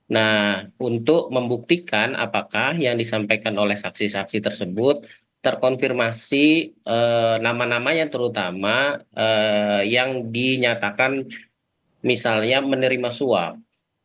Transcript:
nah untuk membuktikan apakah yang disampaikan oleh saksi saksi tersebut terkonfirmasi nama namanya terutama yang dinyatakan misalnya menerima suap